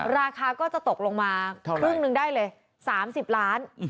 ราคาก็จะตกลงมาเท่าไหร่ครึ่งหนึ่งได้เลยสามสิบล้าน